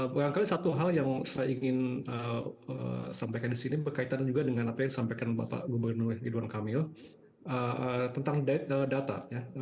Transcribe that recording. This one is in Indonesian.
barangkali satu hal yang saya ingin sampaikan di sini berkaitan juga dengan apa yang disampaikan bapak gubernur ridwan kamil tentang data